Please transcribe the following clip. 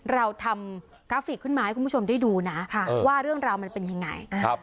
เราทำกราฟิกขึ้นมาให้คุณผู้ชมได้ดูนะว่าเรื่องราวมันเป็นยังไง